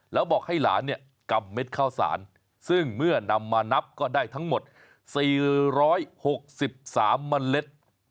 แล้วบอกให้หลานเนี่ยกำเม็ดข้าวสารซึ่งเมื่อนำมานับก็ได้ทั้งหมด๔๖๓เมล็ด